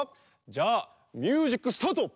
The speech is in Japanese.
じゃあミュージックスタート！